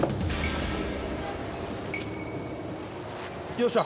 よっしゃ。